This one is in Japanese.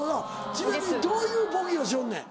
ちなみにどういうボケをしよんねん？